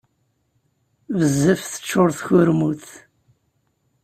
Bezzaf teččur tkurmut.